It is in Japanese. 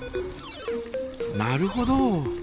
なるほど。